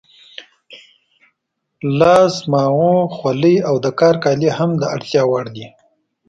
لاس ماغو، خولۍ او د کار کالي هم د اړتیا وړ دي.